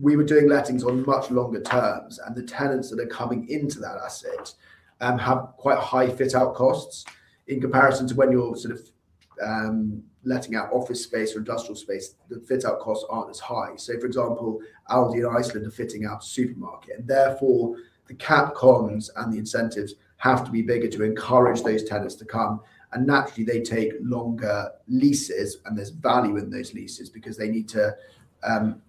we were doing lettings on much longer terms, and the tenants that are coming into that asset have quite high fit-out costs in comparison to when you're sort of letting out office space or industrial space, the fit-out costs aren't as high. So, for example, Aldi and Iceland are fitting out a supermarket, and therefore, the CapCons and the incentives have to be bigger to encourage those tenants to come. And naturally, they take longer leases, and there's value in those leases because they need to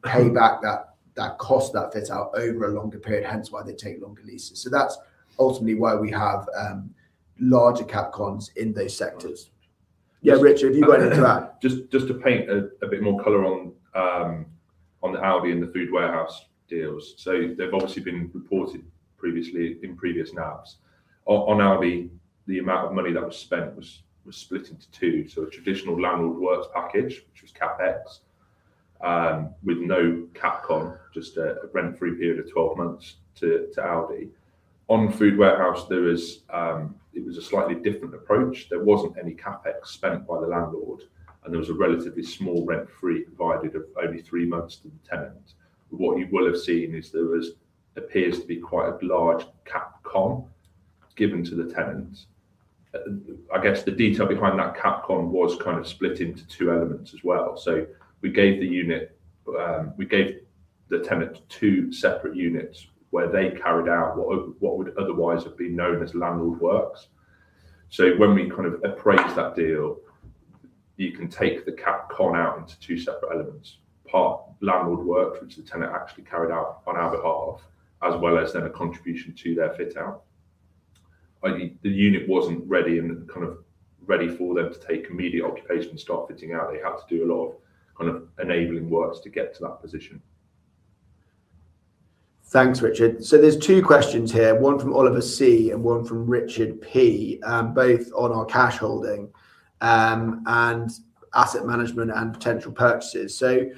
pay back that, that cost, that fit-out over a longer period, hence why they take longer leases. So that's ultimately why we have larger CapCons in those sectors. Yeah, Richard, you go into that. Just to paint a bit more color on the Aldi and the Food Warehouse deals. So they've obviously been reported previously in previous naps. On Aldi, the amount of money that was spent was split into two, so a traditional landlord works package, which was CapEx, with no CapCon, just a rent-free period of 12 months to Aldi. On Food Warehouse, it was a slightly different approach. There wasn't any CapEx spent by the landlord, and there was a relatively small rent-free provided of only three months to the tenant. What you will have seen is there appears to be quite a large CapCon given to the tenants. I guess the detail behind that CapCon was kind of split into two elements as well. So we gave the unit, we gave the tenant two separate units, where they carried out what would otherwise have been known as landlord works. So when we kind of appraise that deal, you can take the CapCon out into two separate elements, part landlord work, which the tenant actually carried out on our behalf, as well as then a contribution to their fit-out. The unit wasn't ready and kind of ready for them to take immediate occupation and start fitting out. They had to do a lot of kind of enabling works to get to that position. Thanks, Richard. So there's two questions here, one from Oliver C., and one from Richard P., both on our cash holding, and asset management and potential purchases. So,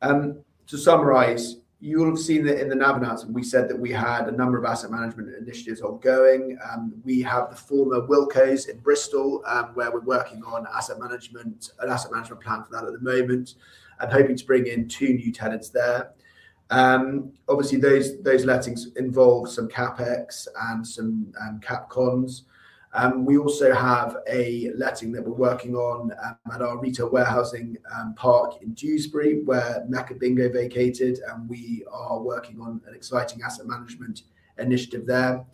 to summarize, you'll have seen that in the NAV announcement, we said that we had a number of asset management initiatives ongoing. We have the former Wilko's in Bristol, where we're working on asset management, an asset management plan for that at the moment, and hoping to bring in two new tenants there. Obviously, those, those lettings involve some CapEx and some CapCons. We also have a letting that we're working on, at our retail warehousing park in Dewsbury, where Mecca Bingo vacated, and we are working on an exciting asset management initiative there.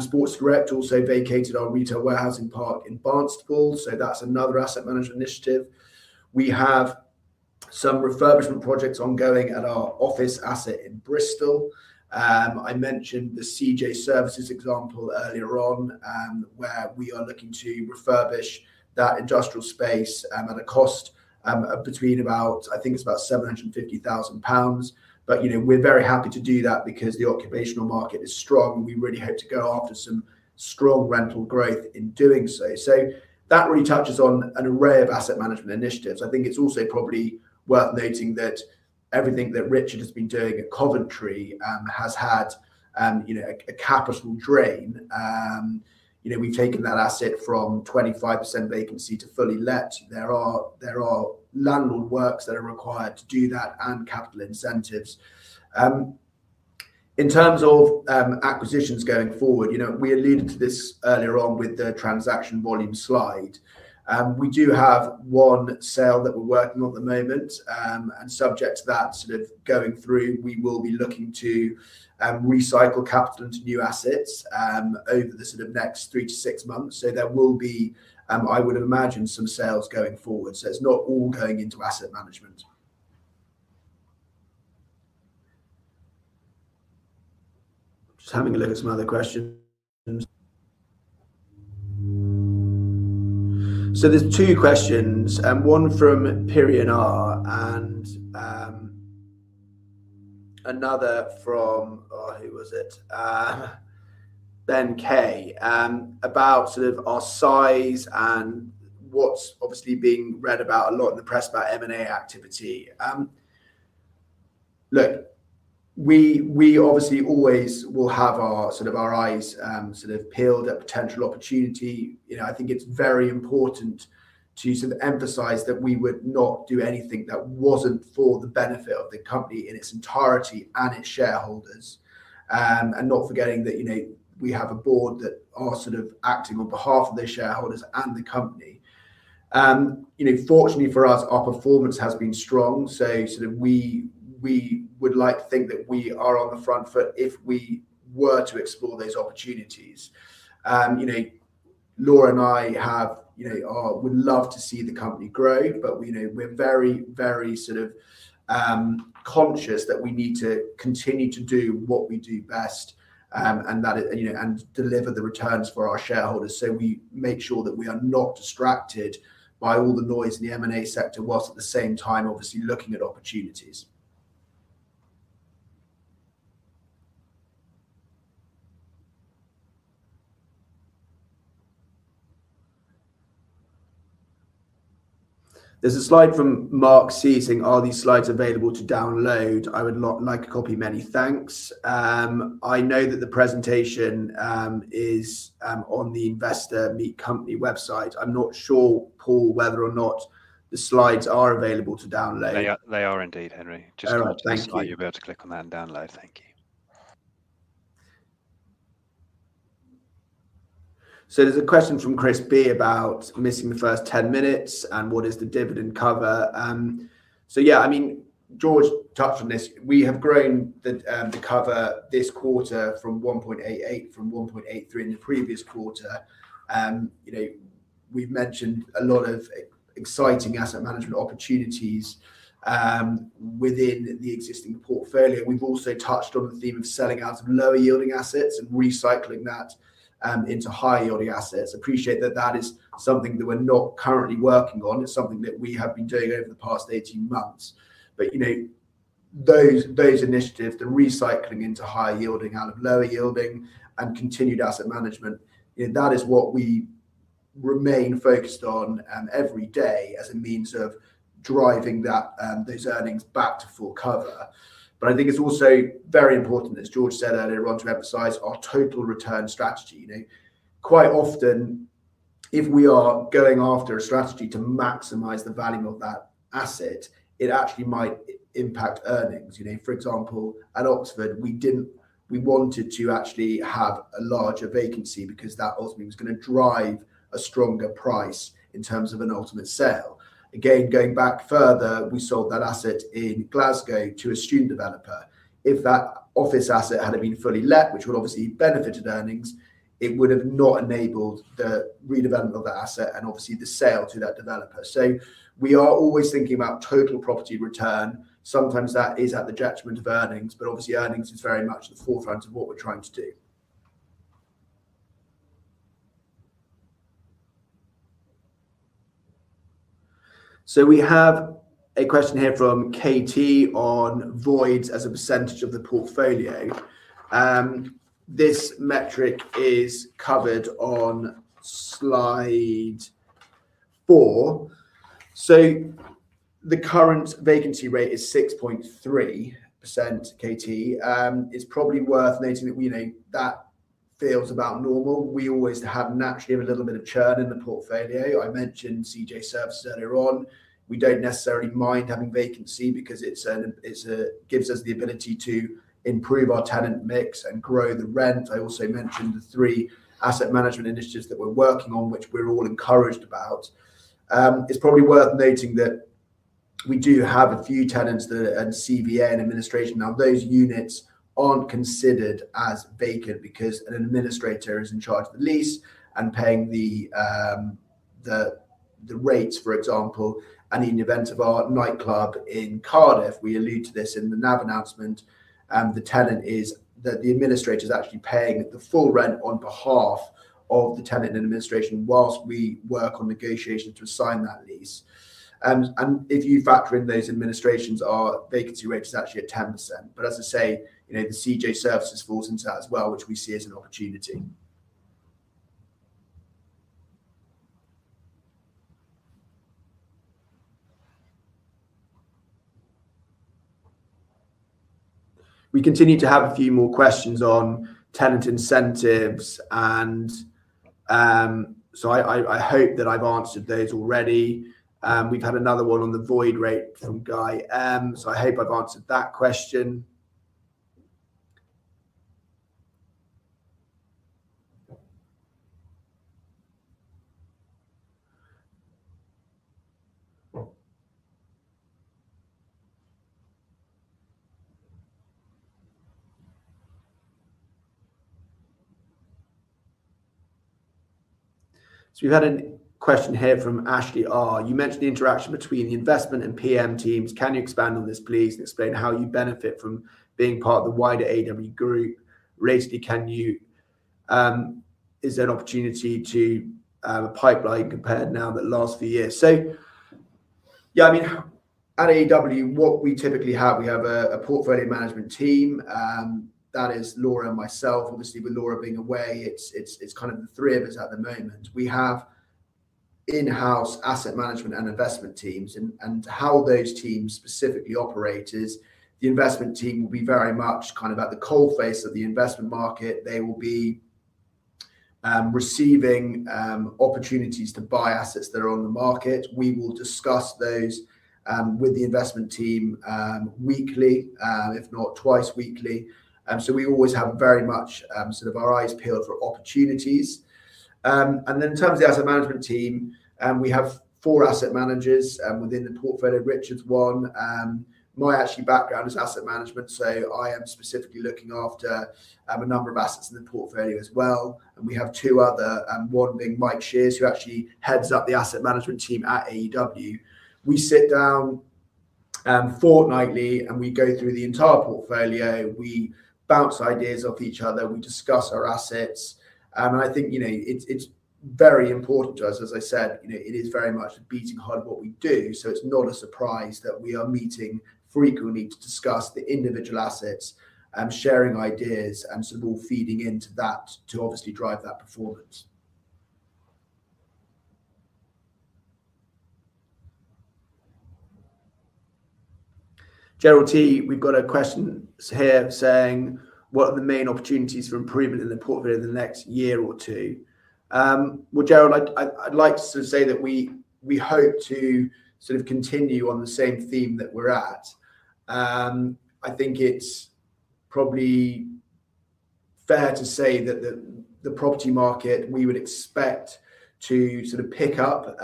Sports Direct also vacated our retail warehousing park in Barnstaple, so that's another asset management initiative. We have some refurbishment projects ongoing at our office asset in Bristol. I mentioned the CJ Services example earlier on, where we are looking to refurbish that industrial space, at a cost of between about, I think it's about 750,000 pounds. But, you know, we're very happy to do that because the occupational market is strong, and we really hope to go after some strong rental growth in doing so. So that really touches on an array of asset management initiatives. I think it's also probably worth noting that everything that Richard has been doing at Coventry, has had, you know, a capital drain. You know, we've taken that asset from 25% vacancy to fully let. There are landlord works that are required to do that and capital incentives. In terms of, acquisitions going forward, you know, we alluded to this earlier on with the transaction volume slide. We do have one sale that we're working on at the moment. And subject to that sort of going through, we will be looking to, recycle capital into new assets, over the sort of next three to six months. So there will be, I would imagine, some sales going forward. So it's not all going into asset management. Just having a look at some other questions. So there's two questions, one from Perran R. and, another from, oh, who was it? Ben K., about sort of our size and what's obviously being read about a lot in the press about M&A activity. Look, we obviously always will have our sort of eyes sort of peeled at potential opportunity. You know, I think it's very important to sort of emphasize that we would not do anything that wasn't for the benefit of the company in its entirety and its shareholders. And not forgetting that, you know, we have a board that are sort of acting on behalf of the shareholders and the company. You know, fortunately for us, our performance has been strong, so sort of we would like to think that we are on the front foot if we were to explore those opportunities. You know, Laura and I have, you know, would love to see the company grow, but, you know, we're very, very sort of, conscious that we need to continue to do what we do best, and that, you know, and deliver the returns for our shareholders. So we make sure that we are not distracted by all the noise in the M&A sector, whilst at the same time, obviously, looking at opportunities. There's a slide from Mark C., saying, "Are these slides available to download? I would like a copy. Many thanks." I know that the presentation is on the Investor Meet Company website. I'm not sure, Paul, whether or not the slides are available to download. They are, they are indeed, Henry. Oh, thank you. Just scroll down the slide, you'll be able to click on that and download. Thank you. So there's a question from Chris B. about missing the first 10 minutes and what is the dividend cover? So yeah, I mean, George touched on this. We have grown the cover this quarter from 1.88 from 1.83 in the previous quarter. You know, we've mentioned a lot of exciting asset management opportunities within the existing portfolio. We've also touched on the theme of selling out some lower-yielding assets and recycling that into higher-yielding assets. Appreciate that that is something that we're not currently working on. It's something that we have been doing over the past 18 months. But, you know, those initiatives, the recycling into higher yielding out of lower yielding and continued asset management, you know, that is what we remain focused on every day as a means of driving those earnings back to full cover. But I think it's also very important, as George said earlier on, to emphasize our total return strategy. You know, quite often, if we are going after a strategy to maximize the value of that asset, it actually might impact earnings. You know, for example, at Oxford, we didn't, we wanted to actually have a larger vacancy because that ultimately was gonna drive a stronger price in terms of an ultimate sale. Again, going back further, we sold that asset in Glasgow to a student developer. If that office asset had been fully let, which would obviously benefited earnings, it would have not enabled the redevelopment of the asset and obviously the sale to that developer. So we are always thinking about total property return. Sometimes that is at the detriment of earnings, but obviously earnings is very much the forefront of what we're trying to do. So we have a question here from KT on voids as a percentage of the portfolio. This metric is covered on Slide 4. So the current vacancy rate is 6.3%, KT. It's probably worth noting that, you know, that feels about normal. We always naturally have a little bit of churn in the portfolio. I mentioned CJ Services earlier on. We don't necessarily mind having vacancy because it gives us the ability to improve our tenant mix and grow the rent. I also mentioned the three asset management initiatives that we're working on, which we're all encouraged about. It's probably worth noting that we do have a few tenants that are in CVA and administration. Now, those units aren't considered as vacant because an administrator is in charge of the lease and paying the rates, for example. And in the event of our nightclub in Cardiff, we allude to this in the NAV announcement, the administrator is actually paying the full rent on behalf of the tenant in administration, whilst we work on negotiations to assign that lease. And if you factor in those administrations, our vacancy rate is actually at 10%. But as I say, you know, the CJ Services falls into that as well, which we see as an opportunity. We continue to have a few more questions on tenant incentives, and so I hope that I've answered those already. We've had another one on the void rate from Guy M., so I hope I've answered that question. So we've had a question here from Ashley R.: You mentioned the interaction between the investment and PM teams. Can you expand on this, please, and explain how you benefit from being part of the wider AEW Group? Roughly, can you, is there an opportunity to, have a pipeline compared now than the last few years? So, yeah, I mean, at AEW, what we typically have, we have a portfolio management team that is Laura and myself. Obviously, with Laura being away, it's kind of the three of us at the moment. We have in-house asset management and investment teams, and how those teams specifically operate is the investment team will be very much kind of at the coalface of the investment market. They will be receiving opportunities to buy assets that are on the market. We will discuss those with the investment team weekly, if not twice weekly. So we always have very much sort of our eyes peeled for opportunities. And then in terms of the asset management team, we have four asset managers within the portfolio. Richard's one. My actual background is asset management, so I am specifically looking after a number of assets in the portfolio as well. And we have two other, one being Mike Shears, who actually heads up the asset management team at AEW. We sit down, fortnightly, and we go through the entire portfolio, we bounce ideas off each other, we discuss our assets, and I think, you know, it's, it's very important to us. As I said, you know, it is very much the beating heart of what we do, so it's not a surprise that we are meeting frequently to discuss the individual assets and sharing ideas, and sort of all feeding into that to obviously drive that performance. Gerald T., we've got a question here saying: What are the main opportunities for improvement in the portfolio in the next year or two? Well, Gerald, I'd, I, I'd like to say that we, we hope to sort of continue on the same theme that we're at. I think it's probably fair to say that the property market, we would expect to sort of pick up,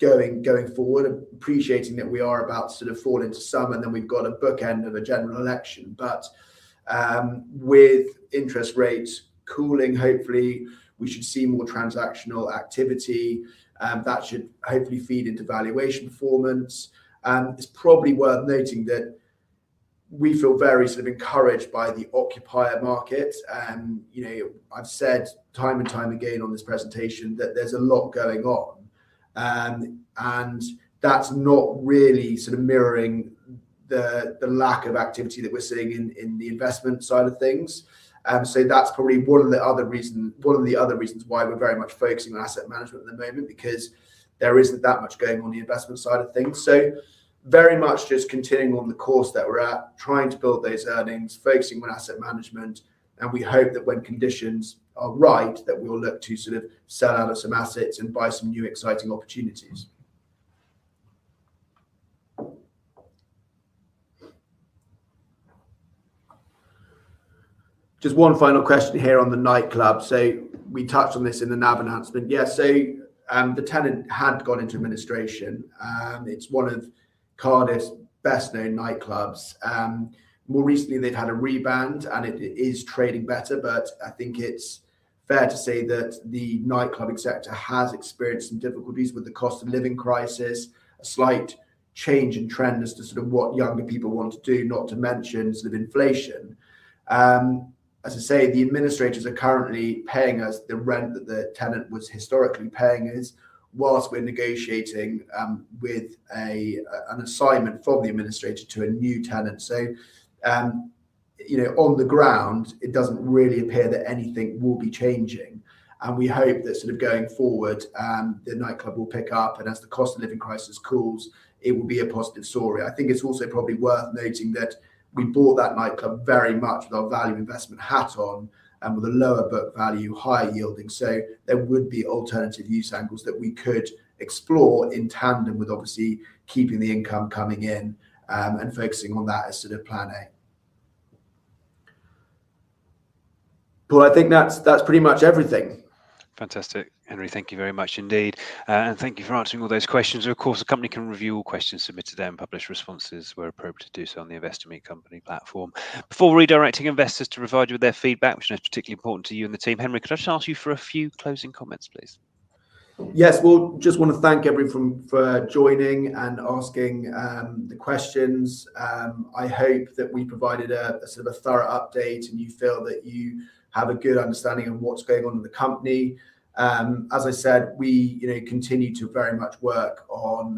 going forward, appreciating that we are about to sort of fall into summer, and then we've got a bookend of a general election. But, with interest rates cooling, hopefully, we should see more transactional activity, that should hopefully feed into valuation performance. It's probably worth noting that we feel very sort of encouraged by the occupier market. You know, I've said time and time again on this presentation that there's a lot going on, and that's not really sort of mirroring the lack of activity that we're seeing in the investment side of things. So that's probably one of the other reasons why we're very much focusing on asset management at the moment, because there isn't that much going on in the investment side of things. So very much just continuing on the course that we're at, trying to build those earnings, focusing on asset management, and we hope that when conditions are right, that we will look to sort of sell out of some assets and buy some new, exciting opportunities. Just one final question here on the nightclub. So we touched on this in the NAV announcement. Yeah, so, the tenant had gone into administration. It's one of Cardiff's best-known nightclubs. More recently, they've had a rebound, and it is trading better, but I think it's fair to say that the nightclubbing sector has experienced some difficulties with the cost of living crisis, a slight change in trend as to sort of what younger people want to do, not to mention sort of inflation. As I say, the administrators are currently paying us the rent that the tenant was historically paying us, while we're negotiating with a an assignment from the administrator to a new tenant. So, you know, on the ground, it doesn't really appear that anything will be changing, and we hope that sort of going forward, the nightclub will pick up, and as the cost of living crisis cools, it will be a positive story. I think it's also probably worth noting that we bought that nightclub very much with our value investment hat on and with a lower book value, higher yielding. So there would be alternative use angles that we could explore in tandem with obviously keeping the income coming in, and focusing on that as sort of Plan A. Well, I think that's, that's pretty much everything. Fantastic, Henry. Thank you very much indeed, and thank you for answering all those questions. Of course, the company can review all questions submitted to them, publish responses where appropriate, to do so on the Investor Meet Company platform. Before redirecting investors to provide you with their feedback, which is particularly important to you and the team, Henry, could I just ask you for a few closing comments, please? Yes, well, just want to thank everyone for joining and asking the questions. I hope that we provided a sort of thorough update, and you feel that you have a good understanding of what's going on in the company. As I said, you know, we continue to very much work on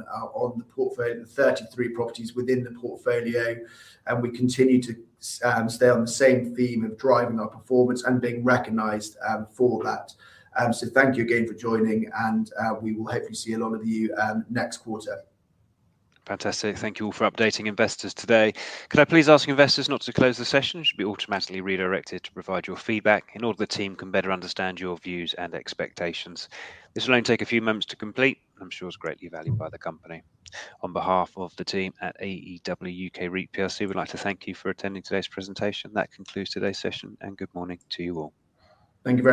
the portfolio, the 33 properties within the portfolio, and we continue to stay on the same theme of driving our performance and being recognized for that. So thank you again for joining, and we will hopefully see a lot of you next quarter. Fantastic. Thank you all for updating investors today. Could I please ask investors not to close the session? You should be automatically redirected to provide your feedback in order the team can better understand your views and expectations. This will only take a few moments to complete, I'm sure it's greatly valued by the company. On behalf of the team at AEW UK REIT plc, we'd like to thank you for attending today's presentation. That concludes today's session, and good morning to you all. Thank you.